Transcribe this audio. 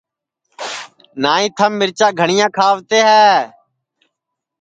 نائی تھم مَرچا گھٹیا کھاوتے ہے